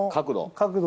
角度。